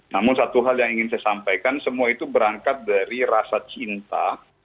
namun satu hal yang ingin saya sampaikan semua itu berangkat dari rasa cinta